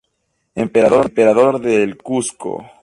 Emperador del Cuzco.